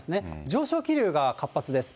上昇気流が活発です。